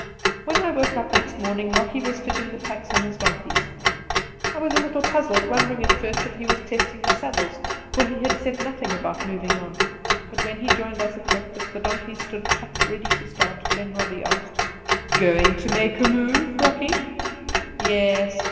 When I woke up next morning Rocky was fitting the packs on his donkeys. I was a little puzzled, wondering at first if he was testing the saddles, for he had said nothing about moving on; but when he joined us at breakfast the donkeys stood packed ready to start. Then Robbie asked: "Going to make a move, Rocky?" "Yes!